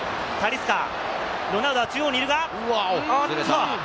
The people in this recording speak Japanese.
ロナウドが中央にいる！